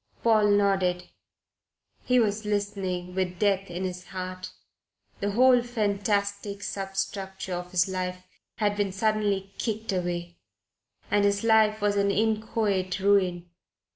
Paul nodded. He was listening, with death in his heart. The whole fantastic substructure of his life had been suddenly kicked away, and his life was an inchoate ruin.